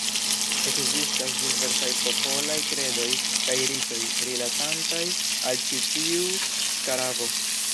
Ekzistas diversaj popolaj kredoj kaj ritoj, rilatantaj al ĉi tiu skarabo.